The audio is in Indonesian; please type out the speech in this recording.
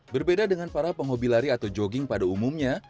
berbeda dengan para penghobi lari atau jogging pada umumnya